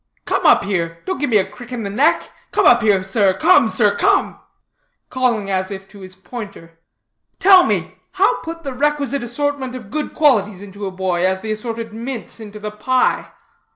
Come up here. Don't give me a crick in the neck. Come up here, come, sir, come," calling as if to his pointer. "Tell me, how put the requisite assortment of good qualities into a boy, as the assorted mince into the pie?"